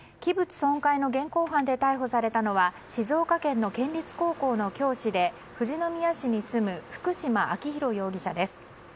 器物損壊の現行犯で逮捕されたのは静岡県の県立高校の教師で富士宮市に住む福島昭洋容疑者です。